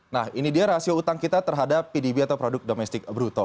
nah ini dia rasio utang kita terhadap pdb atau produk domestik bruto